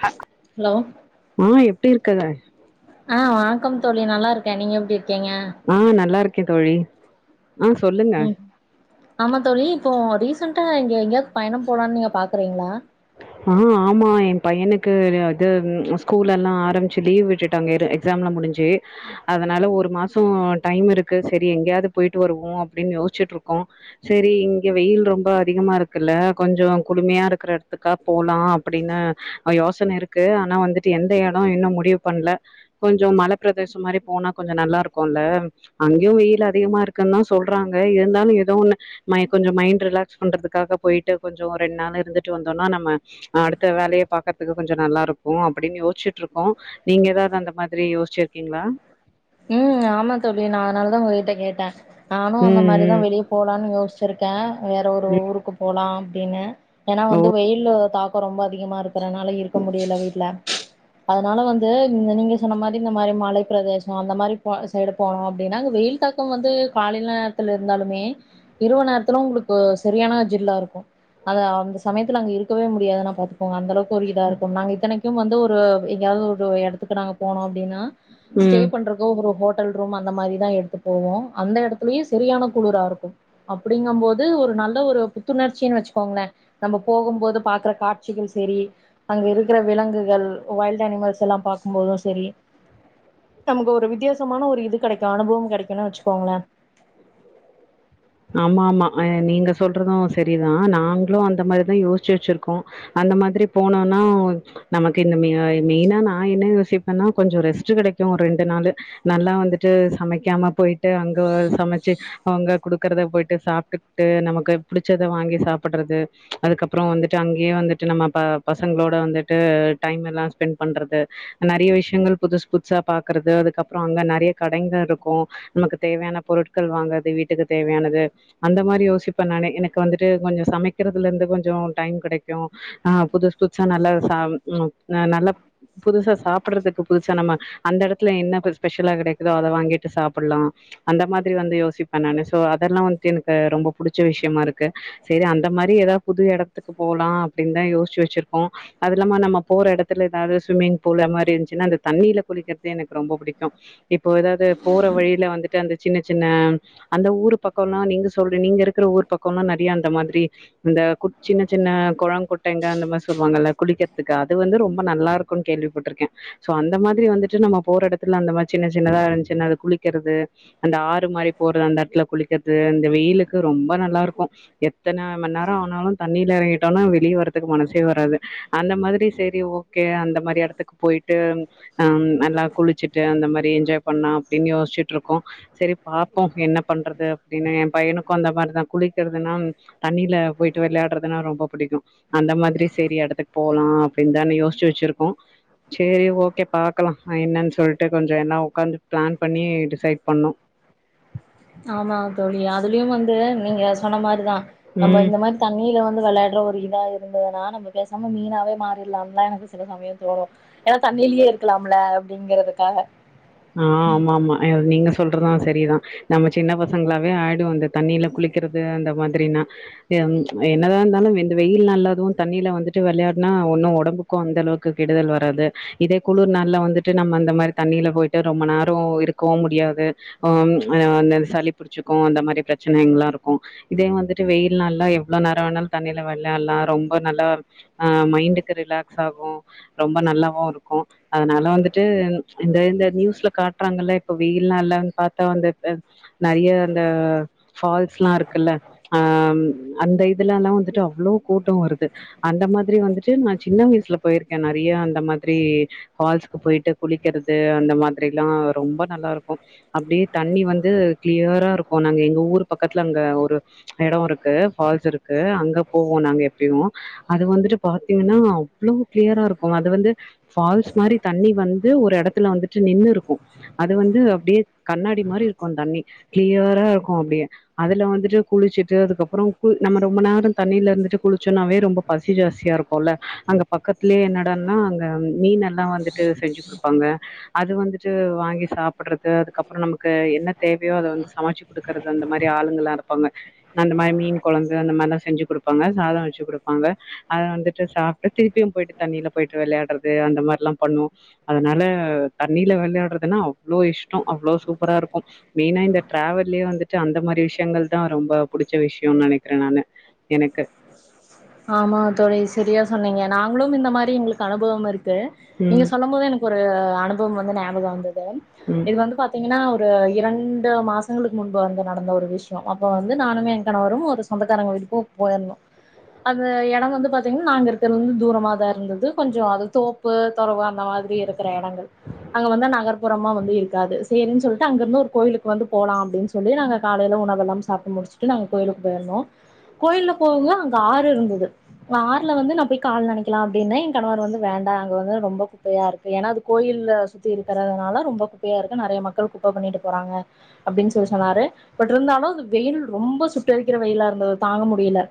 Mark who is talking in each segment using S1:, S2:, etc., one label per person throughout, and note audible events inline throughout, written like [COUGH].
S1: ஹ
S2: ஹலோ
S1: ஆஹ் எப்டி இருக்க
S2: ஆஹ் வணக்கம் தோழி நல்லாருக்கேன் நீங்க எப்டி இரு
S1: ஆஹ் நல்லா இருக்கேன் தோழி ஆஹ் சொல்லுங்க
S2: ம் ஆமா தோழி இப்போ ரீசண்டா எங்க எங்கயாவது பயணம் போலான்னு நீங்க பாக்றீங்களா
S1: ஆஹ் ஆமா என் பையனுக்கு அது ஸ்கூல்லெல்லாம் ஆரம்பிச்சு லீவ் விட்டுட்டாங்க எக்ஸாம்லாம் முடிஞ்சு அதனால ஒரு மாசம் டைம் இருக்கு சரி எங்கேயாவது போயிட்டு வருவோம் அப்படின்னு யோசிச்சுட்டு இருக்கோம் சரி இங்க வெயில் ரொம்ப அதிகமா இருக்குல்ல கொஞ்சம் குழுமையா இருக்கற எடத் க்க போலாம் அப்டின்னு யோசன இருக்கு ஆனா வந்துட்டு எந்த இடம் இன்னும் முடிவு பண்ல கொஞ்சம் மல பிரதேசம் மாரி போனா கொஞ்சம் நல்லா இருக்கும்ல்ல அங்கேயும் வெயில் அதிகமா இருக்குன்னு தான் சொல்றாங்க இருந்தாலும் ஏதோ கொஞ்சம் மைண்ட் ரிலாக்ஸ் பண்றதுக்காக போயிட்டு கொஞ்சம் ரெண்டு நாள் இருந்துட்டு வந்தோம்னா நம்ம அடுத்த வேலய பாக்கறக்கு கொஞ்சம் நல்லா இருக்கும் அப்டின்னு யோசச்சுட்டு இருக்கோம் நீங்க ஏதாவது அந்த மாதரி யோசிச்சிருக்கீங்களா
S2: உம் ஆமா தோழி நா அதனால தான் உங்க கிட்ட கேட்டேன் நானும் அந்த
S1: ம், ம்,
S2: மாதிரிதான் வெளியே போலாம்னு யோசிச் சிருக்கன் வேற ஒரு
S1: ம்.
S2: ஊருக்கு போலாம் இனு ஏன்னா
S1: ஓ!
S2: வந்து வெயில் தாக் ரொம்ப அதிகமா இருக்கறனால இருக்க முடியல வீட்ல அதனால வந்து நீங்க சொன்ன மாரி இந்த மாரி மல பிரதேசம் அந்த மாரி சைடு போனோம் அப்டின்னா அங்க வெயில் தாக்கம் வந்து காலைல நேரத்துல இருந்தாலுமே இரவு நேரத்தில உங்களுக்கு சரியான ஜில்லா இருக்கும் அது அந்த சமயத்து அங்க இருக்கவே முடியாது பார்த்துக்கோங்க அந்த அளவுக்கு ஒரு இதா இருக்கும் நாங்கள் இத்தனைக்கும் வந்து ஒரு எங்கயாவது ஒரு எடத்துக்கு நாங்க போனோம் அப்படின்னா
S1: உம்
S2: ஒரு ஹோட்டல் ரூம் அந்த மாரிதான் எடுத்து போவோம் அந்த இடத்துலயும் சரியான குளுரா இருக்கும் அப்படிங்கும் போது ஒரு நல்ல ஒரு புத்துணர்ச்சி வச்சுக்கோங்களேன் நம்ம போகும் போது பாக்குற காட்சிகள் சரி அங்க இருக்கிற விலங்குகள் வைல்ட் அனிமல்ஸ் எல்லாம் பார்க்கும்போதும் சரி நமக்கு ஒரு வித்தியாசமான ஒரு இது கிடைக்கும் அனுபவம் கிடைக்கும்னு வச்சுக்கோங்களேன்
S1: ஆமா ஆமா ஹன் நீங்க சொல்றதும் செரிதான் நாங்களும் அந்த மாதிரிதான் யோசிச்சு வச்சிருக்கோம் அந்த மாதிரி போனோம்னா நமக்கு இந்த மெயினா நான் என்ன யோசிப்பேன்னா கொஞ்சம் ரெஸ்ட் கிடைக்கும் ஒரு ரெண்டு நாள் நல்லா வந்துட்டு சமைக்காம போயிட்டு அங்க சமைச்சு அவங்க குடு க்றத போயிட்டு சாப்டுட்டு நமக்கு பிடிச்சத வாங்கி சாப்படுறது அதுக்கப்புறம் வந்துட்டு அங்கேயே வந்துட்டு நம்ம பசங்களோட வந்துட்டு டைம் எல்லாம் ஸ்பெண்ட் பண்றது நெறைய விஷயங்கள் புதுசு புதுசா பாக்குறது அதுக்கறம் அங்க நெறைய கடைகள் இருக்கும் நமக்கு தேவையான பொருட்கள் வாங்கறது வீட்டுக்கு தேவையானது அந்த மாரி யோசிப்பன் நானு எனக்கு வந்துட்டு கொஞ்சம் சமைக்கிறதுல இருந்து கொஞ்சம் டைம் கிடைக்கும் ஆஹ் புதுசு புதுசா நல்லா நல்லா புதுசா சாப்பிடறதுக்கு புதுசா நம்ம அந்த இடத்துல என்ன ஸ்பெஷலா கிடைக்குதோ அதை வாங்கிட்டு சாப்பிடலாம் அந்த மாதிரி வந்து யோசிப்பேன் நானு ஸோ அதெல்லா வந்ட்டு எனக்கு ரொம்ப புிடிச்ச விஷயமா இருக்கு செரி அந்த மாரி ஏதாவது புது எடத்துக்கு போலாம் அப்டின்னுதான் யோசிச்சு வச்சிருக்கோம் அது இல்லாம நம்ம போற எடத்துல ஏதாவது சுவிம்மிங் பூல் அ மாதிரி இருந்துச்சுன்னா அந்த தண்ணியில குளிக்கறிறது எனக்கு ரொம்ப பிடிக்கும் இப்போ ஏதாவது போற வழியில வந்துட்டு அந்த சின்ன சின்ன அந்த ஊர் பக்க லாம் நீங்க சொல் நீங்க இருக்கிற ஊர் பக்கம்லாம் நெறைய அந்த மாதிரி இந்த சின்ன சின்ன கொளம் குட்டைங்க அந்த மாதிரி சொல்லுவாங்கல்ல குளிக்கிறதுக்கு அது வந்து ரொம்ப நல்லா இருக்கும்னு கேள்விப்பட்டிருக்கேன் ஸோ அந்த மாதிரி வந்துட்டு நம் போற எடத்துல அந்த மாதிரி சின்ன சின்னதா இருந்துச்சின்ன அது குளிக்கிறது அந்த ஆறு மாதிரி போற அந்த வீல குளிக்கிறது இந்த வெயிலுக்கு ரொம்ப நல்லா இருக்கும் எத்தன மணி நேரம் ஆனாலும் தண்ணில எறங்கிட்டோம்னா வெளியே வரதுக்கு மனசே வராது அந்த மாதிரி செரி ஓகே அந்த மாதிரி எடத்துக்கு போயிட்டு அஹ் நல்லா குளிச்சுட்டு அந்த மாதிரி என்ஜாய் பண்ண அப்டின்னு யோசிச்சுட்டு இருக்கோம் சரி பாப்போம் என்ன பண்றது அப்டின்னு என் பையனுக்கும் அந்த மாதிரிதான் குளிக்கிறதுனா தண்ணியில போயிட்டு வெளையாடுறதுனா ரொம்ப பிடிக்கும் அந்த மாதிரி சரி இடத்துக்கு போலாம் அப்படின்னுதான் யோசிச்சு வச்சிருக்கோம் சரி ஓகே பாக்கலாம் என்னன்னு சொல்லட்டு கொஞ்சம் எல்லாம் ஒக்காந்து பிளான் பண்ணி டிசைட் பண்ணும்
S2: ஆமா தோழி அதுலயும் வந்து நீங்க சொன்ன மாரி தான் நம்ம
S1: ம்.
S2: இந்த மாரி தண்ணியல வந்த ந்து வெளையாட்ற ஒரு இதா இருந்ததுன்னா நம்ம பேசாம மீனாவே மாறிலாம் ல சில சமயம் தோணும் ஏன்னா தண்ணிலேயே இருக்கலாம்ல அப்படிங்கறதுக்காக
S1: ஆஹ் ஆம்மாம்மா நீங்க சொல்றதும் செரிதான் நம்ம சின்ன பசங்களாவே ஆயிடுவோம் அந்த தண்ணில குளிக்கிறது அந்த மாதிரினா ஹம் என்னதா இருந்தாலும் இந்த வெயில் அதும் தண்ணில வந்துட்டு வெளையாடுனா ஒன்னும் ஒடம்புக்கும் அந்த அளவுக்கு கெடுதல் வராது இதே குளிர் நாள் வந்துட்டு நம்ம அந்த மாரி தண்ணில போயிட் ரொம்ப நேரம் இருக்கவும் முடியாது ஹம் அ சளி புச்சிக்கும் அந்த மாதிரி பிரச்சனைகள்ல்லாம் இருக்கும் இதே வந்துட்டு வெயில் நாள்ல எல்லாம் எவ்வளவு நேரம் வேணாலும் தண்ணில வெளையால்லாம் ரொம்ப நல்லா ஹ மைண்டுக்கு ரிலாக்ஸ் ஆகும் ரொம்ப நல்லாவும் இருக்கும் அதனால வந்துட்டு இது இந்த நியூஸ்ல காட்றாங்கல இப்ப வெயில் நாள்லன்னு பார்த்தா அந் நிறைய அந்த ஃபால்ஸ் எல்லாம் இருக்குல்ல ஆஹ் அந்த இதுல எல்லாம் வந்துட்டு அவ்வளவு கூட்டம் வருது அந்த மாதிரி வந்துட்டு நான் சின்ன வயசுல போயிருக்கேன் நெறைய அந்த மாதிரி ஃபால்ஸ்க்கு போயிட்டு குளிக்கறது அந்த மாதிரி மாில்லாம் ரொம்ப நல்லாருக்கும் அப்படியே தண்ணி வந்து க்ளியரா இருக்கும் நாங்க எங்க ஊர் பக்கத்துல அங்க ஒரு எடம் இருக்கு ஃபால்ஸ் இருக்கு அங்க போவோம் நாங்க எப்பயும் அது வந்துட்டு பா்த்தீங்கன்னா அவ்வளோ க்ளியரா இருக்கும் அது வந்து ஃபால்ஸ் மாரி தண்ணி வந்து ஒரு இடத்துல வந்து நின்னு இருக்கும் அது வந்து அப்படியே கண்ணாடி மாரி இருக்கும் தண்ணி க்ளியரா இருக்கும் அப்படியே அதுல வந்துட்டு குளிச்சுட்டு அதுக்கப்புறம் கு நம்ம ரொம்ப நேரம் தண்ணில இருந்துட்டு குளிச்சோம்னாவே ரொம்ப பசி ஜாஸ்தியா இருக்கும்ல்ல அங்க பக்கத்துலயே என்னடான்னா அங்க மீன் எல்லாம் வந்துட்டு செஞ்சு கொடுப்பாங்க அது வந்துட்டு வாங்கி சாப்புட்றது அதுக்கப்புறம் நமக்கு என்ன தேவையோ அதை வந்து சமைச்சு கொடுக்கறது அந்த மாதிரி ஆளுங்க எல்லாம் இருப்பாங்க அந்த மாதிரி மீன் கொழம்பு அந்த மாதிரிலாம் செஞ்சு கொடுப்பாங்க சாதம் வச்சு கொடுப்பாங்க அத வந்துட்டு சாப்டுட்டு திருப்பியும் போயிட்டு தண்ணியில போயிட்டு விளையாடுறது அந்த மாதிரிலாம் பண்ணுவோம் அதனால தண்ணியில வெளையாடுறதுன்னா அவ்ளோ இஷ்டோ அவ்ளோ சூப்பராயிருக்கோ மெயினா இந்த ட்ராவல்லயே வந்துட்டு அந்த மாதிரி விஷியங்கள்தா ரொம்ப புடிச்ச விஷியோன்னு நெனைக்கிறேன் நானு எனக்கு
S2: ஆமா தோழி செரியா சொன்னீங்க நாங்களோம் இந்த மாதிரி எங்களுக்கு அனுபவோம் இருக்கு நீங்க
S1: ம்
S2: சொல்லும்போதே எனக்கு ஒரு அனுபவோம் வந்து நியாபகோ வந்துது து
S1: ம்
S2: இது வந்து பாத்தீங்கன்னா ஒரு இரண்டு மாசங்களுக்கு முன்பு வந்து நடந்த ஒரு [UNINTELLIGIBLE] அப்ப வந்து நானுமே கணவரோம் ஒரு சொந்தக்காரங்க வீட்டுக்கு போயி இருந்தோ அந்த எடோ வந்து பாத்தீங்கன்னா நாங்க இருக்குறதுலயிருந்து தூரமாதா இருந்துது கொஞ்சோ அது தோப்பு தொறவு அந்த மாதிரியிருக்குற எடங்கள் அங்க வந்து நகர்புறமா வந்துயிருக்காது சேரின்னு சொல்லிட்டு அங்கயிருந்து ஒரு கோயிலுக்கு வந்து போலா அப்டின்னு சொல்லி நாங்க காலையில உணவெல்லாம் சாப்பிட்டு முடிச்சுட்டு நாங்க கோயிலுக்கு போயிருந்தோ கோயிலுக்கு போகுமோது ஆறுயிருந்துது ஆறுல வந்து நா போய் கால் நெனைக்கலா அப்டின்னே என் கணவர் வந்து வேண்டா அங்க வந்து ரொம்ப குப்பையாயிருக்கு ஏன்னா அது கோயில சுத்தி இருக்குறதுனால ரொம்ப குப்பையாயிருக்கு நெறைய மக்கள் குப்ப பண்ணிட்டு போறாங்க அப்டின்னு சொல்லி சொன்னாரு பட் இருந்தாலோ வெயில் ரொம்ப சுட்டெரிக்குற வெயிலாயிருந்தது தாங்க முடியல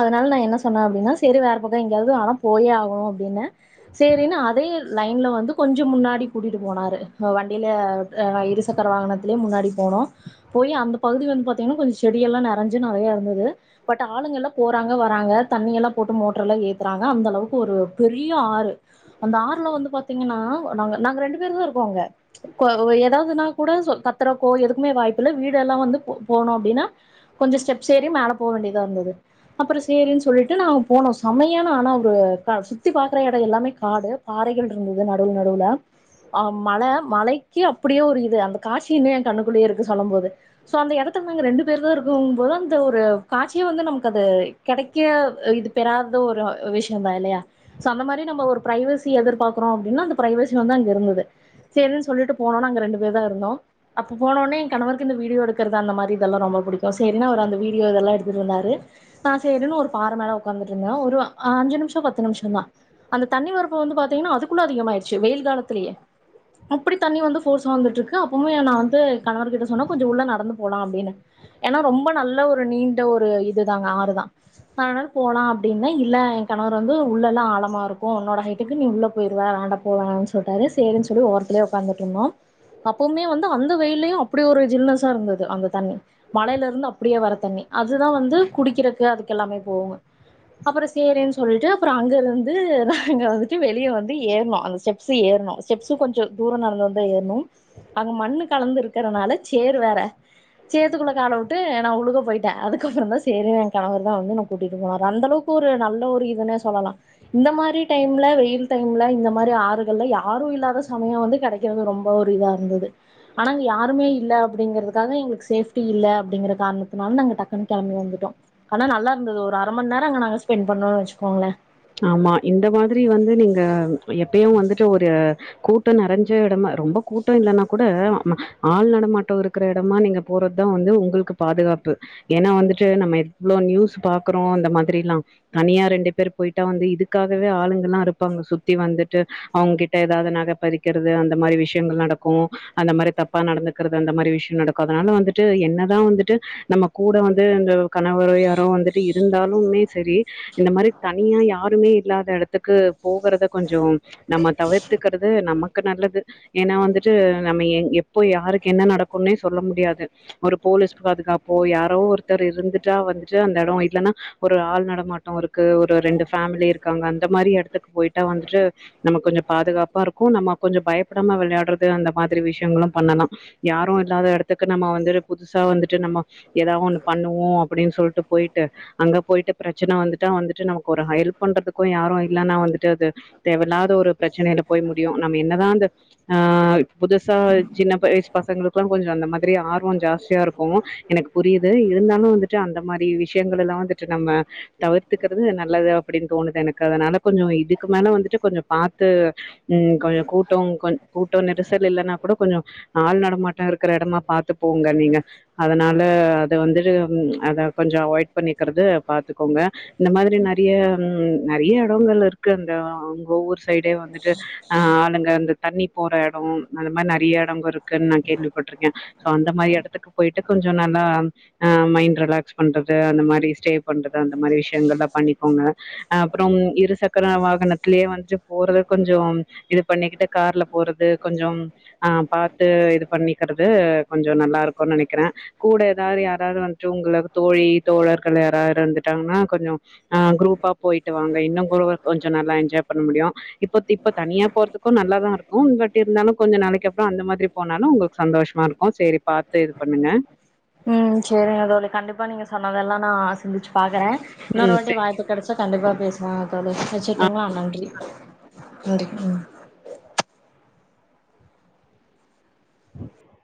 S2: அதனால நா என்ன சொன்னே அப்டின்னா சேரி வேற பக்கோ எங்கயாவது ஆனா போயே ஆகணோன்னு அப்டின்னே சேரின்னு அதே லையின்ல வந்து கொஞ்சோ முன்னாடி கூட்டிட்டு போனாரு வண்டியில இருசக்கர வாகனத்துலயே முன்னாடி போனோ போயி அந்த பகுதி வந்து பாத்தீங்கன்னா கொஞ்சோ செடியெல்லா நெறஞ்சு நெறையாயிருந்தது பட் ஆளுங்கள்லா போறாங்க வராங்க தண்ணியெல்லா போட்டு மோட்டருலா ஏத்துறாங்க அந்தளவுக்கு ஒரு பெரிய ஆறு அந்த ஆறுல வந்து பார்த்தீங்கன்னா நாங்க நாங்க ரெண்டு பேருதாயிருக்கோ அங்க ஏதாவதுனா கூட கத்தரதுக்கோ எதுக்குமே வாய்பில்ல வீடெல்லா வந்து போனோ அப்டின்னா கொஞ்சோ ஸ்டெப்ஸ் ஏறி மேல போக வேண்டியதாயிருந்துது அப்புறோ சேரின்னு சொல்லிட்டு நாங்க போனோ செமையான ஆனா ஒரு சுத்தி பாக்குற எடோ எல்லாமே காடு பாறைகள்யிருந்துது நடுவுல நடுவுல அஹ் மல மலைக்கு அப்டியே ஒரு இது அந்த காட்சியின்னோ என் கண்ணுக்குள்ளயேயிருக்கு சொல்லும்போது சோ அந்த எடத்துல நாங்க ரெண்டு பேருதா இருக்கோம்போது அந்த ஒரு காட்சியே வந்து நமக்கு அது கெடைக்க இது பெறாத ஒரு விஷியோதா இல்லையா சோ அந்த மாதிரி நம்ம ஒரு ப்ரைவசி எதிர்பார்க்குறோ அப்டின்னா அந்த ப்ரைவசி வந்து அங்க இருந்துது செரின்னு சொல்லிட்டு போனோ நாங்க ரெண்டு பேருதா இருந்தோ அப்ப போனோன்னே என் கணவர் இந்த வீடியோ எடுக்குறது அந்த மாதிரி இதெல்லா ரொம்ப புடிக்கோ சேரின்னு அவரு அந்த வீடியோ இதெல்லா எடுத்துட்டுயிருந்தாரு நா சேரின்னு ஒரு பாற மேல ஒக்காந்துட்டுயிருந்தே ஒரு அஞ்சு நிமிசோ பத்து நிமிசோதா அந்த தண்ணி வரப்ப வந்து பாத்தீங்கன்னா அதுக்கு குள்ள அதிகமாயிடுச்சு வெயில் காலத்துலயே அப்டி தண்ணி வந்து போர்ஸா வந்துட்டுருக்கு அப்பமே நா வந்து கணவர் கிட்ட சொன்னே கொஞ்சோ உள்ள நடந்து போலா அப்டின்னு ஏன்னா ரொம்ப நல்ல ஒரு நீண்ட ஒரு இது தா அங்க ஆறுதா அதனால போலா அப்டின்னே இல்ல என் கணவர் வந்து உள்ளல்லா ஆழமாயிருக்ககோ உன்னோட ஹைட்டுக்கு நீ உள்ள போயிருவ வேண்டா போவேனா சொல்டாரு சேரின்னு சொல்லிட்டு ஓரத்துலயே ஒக்காந்துட்டுயிருந்தோ அப்பவுமே வந்து அந்த வெயில்லயோ அப்டி ஒரு ஜில்னஸாயிருந்துது அந்த தண்ணி மலையிலயிருந்து அப்டியே வர தண்ணி அதுதா வந்து குடிக்குறக்கு அதுக்கு எல்லாமே போவோ அப்புறோ சேரின்னு சொல்லிட்டு அப்புறோ அங்கயிருந்து நாங்க வந்துட்டு வெளிய வந்துட்டு ஏறுனோ அந்த ஸ்டெப்ஸ் ஏறனோ ஸ்டெப்ஸ் கொஞ்சோ தூரோ நடந்து வந்துதா ஏறனோ அங்க மண்ணு கலந்து இரு க்குறனால சேர் வேற சேர்த்துக்குள்ள கால விட்டு நா உலுக போயிட்டே அதுக்கப்புறோ தா சேரி என் கணவர்தா வந்து என்ன கூட்டிட்டு போனாரு அந்தளவுக்கு ஒரு நல்ல ஒரு இதுனே சொல்லலா இந்த மாதிரி டைம் டைம்ல வெயில் டைம்ல இந்த மாரி ஆறுகள்ல யாரோ இல்லாத சமயோ வந்து கெடைக்குறது ரொம்ப ஒரு இதாயிருந்துது ஆனா அங்க யாருமே இல்ல அப்டிங்குறதுக்காக எங்களுக்கு சேப்டி இல்ல அப்டிங்குற காரணத்துனால நாங்க டக்குன்னு கெளம்பி வந்து ட்டோ ஆனா நல்லாயிருந்துது ஒரு அர மண் நேரோ அங்க நாங்க ஸ்பெண்ட் பண்ணோம்னு வெச்சு
S1: ஆமா இந்த மாதிரி வந்து நீங்க எப்பயோ வந்துட்டு ஒரு கூட்டோ நெறஞ்ச எடமா ரொம்ப கூட்டோ இல்லைன்னா கூட ஆள் நடமாட்டோ இருக்குற எடமா நீங்க போறதுதா வந்து உங்களுக்கு பாதுகாப்பு ஏன்னா வந்துட்டு நம்ம எவ்ளோ நியூஸ் பாக்குறோ அந்த மாதிரில்லா தனியா ரெண்டு பேர் போயிட்டா வந்து இதுக்காகவே ஆளுங்கல்லா இருப்பாங்க சுத்தி வந்துட்டு அவங்ககிட்ட எதாவது நக பறிக்குறது அந்த மாதிரி விஷியங்கள் நடக்கோ அந்த மாதிரி தப்பா நடந்துக்குறது அந்த மாதிரி விஷியோ நடக்கோ அதனால வந்துட்டு என்னதா வந்துட்டு நம்ம கூட வந்து இந்த கணவர யாரோ வந்துட்டு இருந்தாலுமே சரி இந்த மாரி தனியா யாருமே இல்லாத இடத்துக்கு போகறத கொஞ்சோம் நம்ம தவிர்த்துக்கறது நமக்கு க்கு நல்லது ஏன்னா வந்துட்டு நம்ம எப்போ யாருக்கு என்ன நடக்கும்னே சொல்ல முடியாது ஒரு போலீஸ்கு பாதுகாப்போ யாரோ ஒருத்தர் இருந்துட்டா வந்துட்டு அந்த இடம் இல்லன்னா ஒரு ஆள் நடமாட்டம் இருக்கு ஒரு ரெண்டு பேமிலி இருக்காங்க அந்த மாரி இடத்துக்கு போயிட்டா வந்துட்டு நம்ம கொஞ்சம் பாதுகாப்பா இருக்கும் நம்ம கொஞ்சம் பயப்படாம விளையாடுறது அந்த மாதிரி விஷயங்களும் பண்ணலாம் யாரும் இல்லாத இடத்துக்கு நம்ம வந்துட்டு புதுசா வந்துட்டு நம்ம ஏத ஒன்னு பண்ணுவோம் அப்படின்னு சொல்லிட்டு போயிட்டு அங்க போயிட்டு பிரச்சனை வந்து வந்துட்டு நமக்கு ஒரு ஹெல்ப் பண்றதுக்கும் யாரும் இல்லைன்னா வந்துட்டு அது தேவ இல்லாத ஒரு பிரச்சனையில போய் முடியும் நம்ம என்னதான் அந்த ஆஹ புதுசா சின்ன வயிசு பசங்களுக்குெல்லாம் கொஞ்சம் அந்த மாதிரி ஆர்வம் ஜாஸ்தியா இருக்கும் எனக்கு புரியுது இருந்தாலும் வந்துட்டு அந்த மாரி விஷயங்கள் எல்லாம் வந்துட்டு நம்ம தவிர் கத்துக்கிறது நல்லது அப்டின்னு தோணுது எனக்கு அதனால கொஞ்சம் இதுக்கு மேல வந்துட்டு கொஞ்சம் பாத்து உம் கொஞ்சம் கூட்டம் கொஞ கூட்டம் நெரிசல் இல்லன்னா கூட கொஞ்சம் ஆள் நடமாட்டம் இருக்கிற இடமா பாத்து போங்க நீங்க அதனால அத வந்துட்டு அத கொஞ்சம் அவாய்ட் பண்ணிக்கறது பாத்துக்கோங்க இந்த மாரி நெறைய நெறைய இடங்கள் இருக்கு அந்த அங்க ஊரு சைடே வந்துட்டு அஹ ஆளுங்க அந்த தண்ணி போற இடம் அந்த மாரி நறைய இடங்கள் இருக்குன்னு நான் கேள்விப்பட்டிருக்கேன் சோ அந்த மாரி இடத்துக்கு போயிட்டு கொஞ்சம் நல்லா மைண்டு ரிலாக்ஸ் பண்றது அந்த மாரி ஸ்டே பண்றது அந்த மாரி விஷய [UNINTELLIGIBLE] பண்ணிக்கோங்க அப்புறம் இருசக்கர வாகனத்திலயே வந்துட்டு போறது கொஞ்சம் இது பண்ணிக்கிட்டு கார்ல போறது கொஞ்சம் ஹாம் பாத்து இது பண்ணிக்கிறது கொஞ்சம் நல்லா இருக்கும் நினைக்கிறேன் கூட ஏதாவது யாராவது வந்துட்டு உங்களுக்கு தோழி தோழர்கள் யாராவது இருந்துட்டாங்கன்னா கொஞ்சம் ஆஹ குரூப்பா போயிட்டு வாங்க இன்னும் கு கொஞ்சம் நல்லா என்ஜாய் பண்ண முடியும் இப்ப இப்ப தனியா போறதுக்கும் நல்லாதான் இருக்கும் பட் இருந்தாலும் கொஞ்சம் நாளைக்கு அப்புறம் அந்த மாதிரி போனாலும் உங்களுக்கு சந்தோஷ்மா இருக்கும் சரி பார்த்து இது பண்ணுங்க
S2: அதெல்லாம் நான் சிந்துச்சு பாக்குறேன் இன்னோர்
S1: ம்
S2: வாட்டி
S1: சேரி
S2: வாய்ப்பு கிடைச்சா கண்டிப்பா பேசுவாங்க தோழர்
S1: ஆ
S2: வச்சுட்டுங்களா நன்றி நன்றி உம்
S1: ஹ [INAUDIBLE]